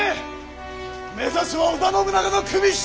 目指すは織田信長の首一つ！